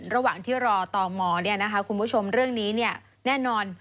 ระหว่างที่รอต่อหมอเนี่ยนะคะคุณผู้ชมเรื่องนี้เนี่ยแน่นอน